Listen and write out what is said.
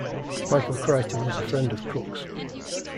Michael Crichton was a friend of Cook's.